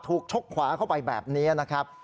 ชกขวาเข้าไปแบบนี้นะครับ